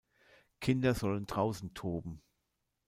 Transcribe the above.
Die Kinder sollen draußen toben.